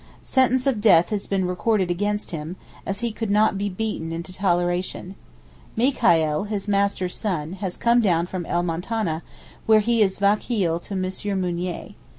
Sentence of death has been recorded against him, as he could not be beaten into toleration. Michaïl, his master's son, has just come down from El Moutaneh, where he is vakeel to M. Mounier.